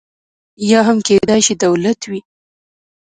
یا هم کېدای شي دولت وي.